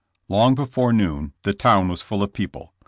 Long before noon the town was full of people.